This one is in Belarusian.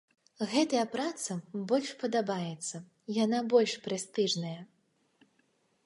Гэтая праца больш падабаецца, яна больш прэстыжная.